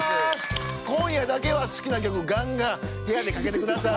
今夜だけは好きな曲ガンガン部屋でかけてください。